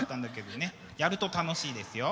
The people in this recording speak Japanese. やると楽しいですよ。